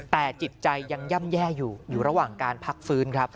แต่จิตใจยังย่ำแย่อยู่อยู่ระหว่างการพักฟื้นครับ